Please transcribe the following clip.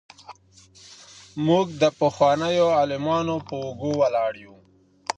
موږ د پخوانيو عالمانو په اوږو ولاړ يو.